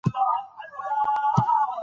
د اثارو موضوع یې د انسان دروني نړۍ ده.